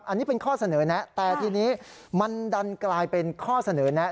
อันนี้เป็นข้อเสนอแนะแต่ทีนี้มันดันกลายเป็นข้อเสนอแนะ